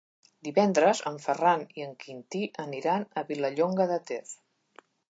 Divendres en Ferran i en Quintí aniran a Vilallonga de Ter.